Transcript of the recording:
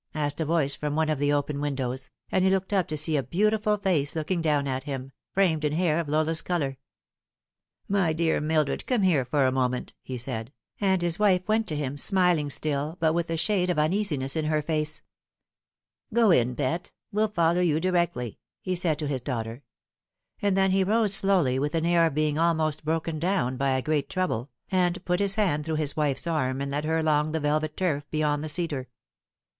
asked a voice from one of the open windows, and he looked up to see a beautiful face looking out at him, framed in hair of Lola's colour. " My dear Mildred, come here for a moment," he said, and his wife went to him, smiling still, but with a shade of uneasiness in her face. 42 The Fatal Three. " Go in, pet. Well follow you directly," he said to hia daughter ; and then he rose slowly, with an air of being almost broken down by a great trouble, and put his hand through his wife's arm, and led her along the velvet turf beyond the cedar.